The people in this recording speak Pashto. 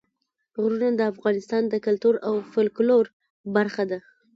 غرونه د افغانستان د کلتور او فولکلور برخه ده.